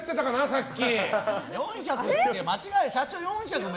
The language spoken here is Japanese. さっき。